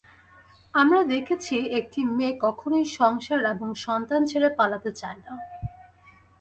আমরা দেখেছি, একটি মেয়ে কখনোই সংসার এবং সন্তান ছেড়ে পালাতে চায় না।